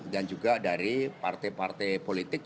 dan juga dari partai partai politik